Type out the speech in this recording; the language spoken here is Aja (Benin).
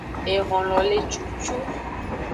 Ehonlo le cucu.